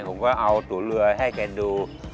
ผมก็เอาตัวเรือให้แกดู